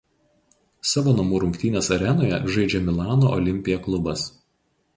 Savo namų rungtynes arenoje žaidžia Milano Olimpia klubas.